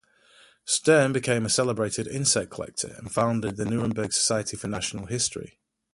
Sturm became a celebrated insect collector and founded the Nuremberg Society for Natural History.